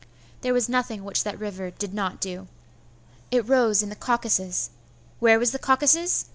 There was nothing which that river did not do. It rose in the Caucasus. Where was the Caucasus?